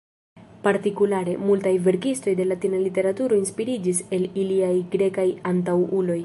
Partikulare, multaj verkistoj de Latina literaturo inspiriĝis el iliaj grekaj antaŭuloj.